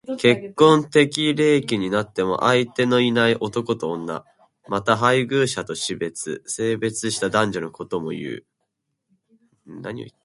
結婚適齢期になっても相手のいない男と女。また、配偶者と死別、生別した男女のことも言う。